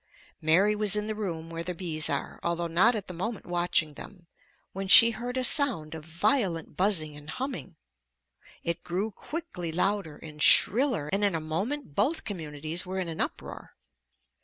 Mary was in the room where the bees are, although not at the moment watching them, when she heard a sound of violent buzzing and humming. It grew quickly louder and shriller, and in a moment both communities were in an uproar.